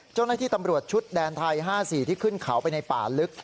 เจ้าหน้าที่ตำรวจชุดแดนไทย๕๔ที่ขึ้นเขาไปในป่าลึก